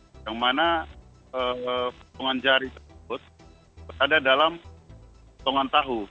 yang mana potongan jari tersebut ada dalam potongan tahu